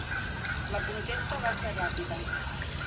La conquesta va ser ràpida.